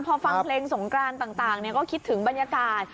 พอฟังเพลงสงกรานต่างก็คิดถึงบรรยากาศ